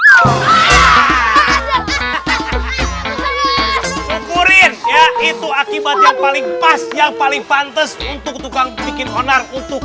kurir ya itu akibat yang paling pas yang paling pantas untuk tukang bikin onar untuk